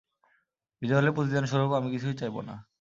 বিজয় হলে প্রতিদান স্বরূপ আমি কিছুই চাইব না।